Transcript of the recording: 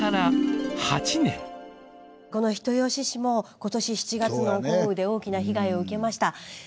この人吉市も今年７月の豪雨で大きな被害を受けました。